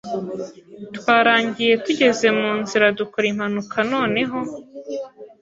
Twaragiye tugeze mu nzira dukora impanuka noneho